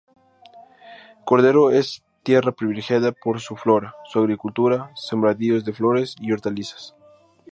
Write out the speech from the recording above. Cordero es tierra privilegiada por su flora, su agricultura, sembradíos de flores y hortalizas.